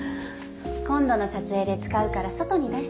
今度の撮影で使うから外に出してるみたい。